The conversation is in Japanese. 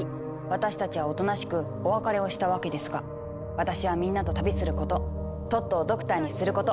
「私たちはおとなしくお別れをしたわけですが私はみんなと旅することトットをドクターにすること」。